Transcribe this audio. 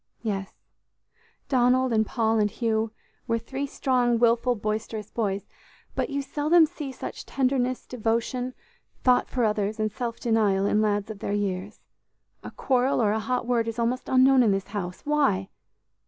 "Yes, Donald and Paul and Hugh were three strong, willful, boisterous boys, but you seldom see such tenderness, devotion, thought for others and self denial in lads of their years. A quarrel or a hot word is almost unknown in this house. Why?